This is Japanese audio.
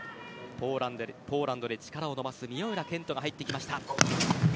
ポーランドで力を伸ばす宮浦健人が入ってきました。